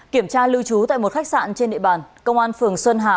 kiểm tra lưu trú tại một khách sạn trên địa bàn công an phường xuân hà